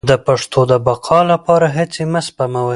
د پښتو د بقا لپاره هڅې مه سپموئ.